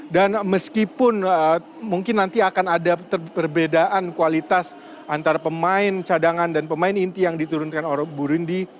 dan meskipun mungkin nanti akan ada perbedaan kualitas antara pemain cadangan dan pemain inti yang diturunkan oleh burundi